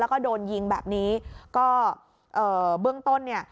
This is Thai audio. แล้วก็โดนยิงแบบนี้ก็เอ่อเบื้องต้นเนี่ย